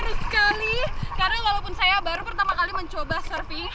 seru sekali karena walaupun saya baru pertama kali mencoba surfing